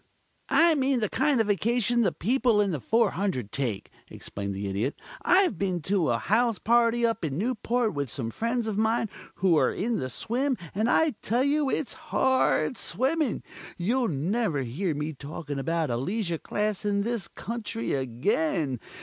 "I mean the kind of Vacation the people in the 400 take," explained the Idiot. "I've been to a house party up in Newport with some friends of mine who're in the swim, and I tell you it's hard swimming. You'll never hear me talking about a leisure class in this country again.